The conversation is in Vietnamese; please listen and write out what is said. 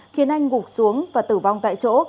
khiến anh gục xuống và tử vong tại chỗ